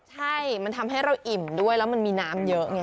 ใช่มันทำให้เราอิ่มด้วยแล้วมันมีน้ำเยอะไง